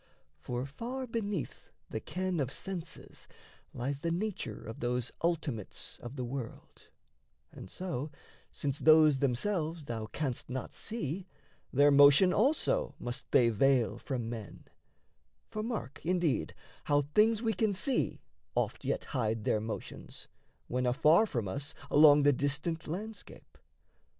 For far beneath the ken of senses lies The nature of those ultimates of the world; And so, since those themselves thou canst not see, Their motion also must they veil from men For mark, indeed, how things we can see, oft Yet hide their motions, when afar from us Along the distant landscape.